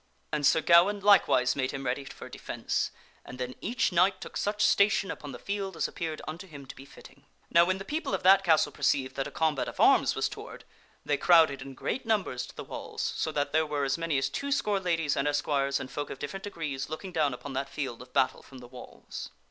And Sir Gawaine likewise made him ready for defence, and then each knight took such station upon the field as appeared unto him to be fitting. Now, when the people of that castle perceived that a combat of arms was toward, they crowded in great numbers to the walls, so that there were as many as twoscore ladies and esquires and folk of different degrees looking down upon that field of battle from the walls.